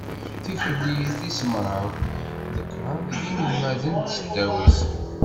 Tikli tis mraw d kraḍ n yinelmaden n tesdawit.